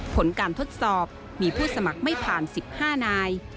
ผลการทดสอบมีผู้สมัครไม่ผ่าน๑๕นาย